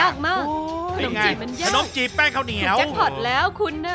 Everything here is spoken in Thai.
ขนมจีบแป้งข้าวเหนียว